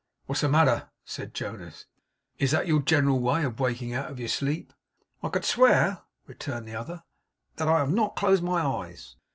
'What's the matter?' said Jonas. 'Is that your general way of waking out of your sleep?' 'I could swear,' returned the other, 'that I have not closed my eyes!